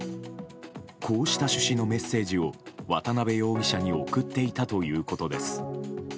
こうした趣旨のメッセージを渡辺容疑者に送っていたということです。